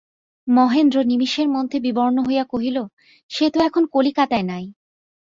মহেন্দ্র নিমেষের মধ্যে বিবর্ণ হইয়া কহিল, সে তো এখন কলিকাতায় নাই।